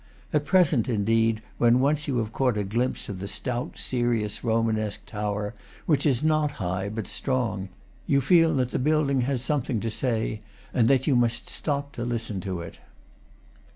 At present, indeed, when once you have caught a glimpse of the stout, serious Romanesque tower, which is not high, but strong, you feel that the building has something to say, and that you must stop to listen to it.